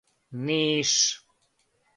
Ниш